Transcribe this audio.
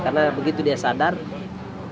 karena begitu dia sadar dia rasa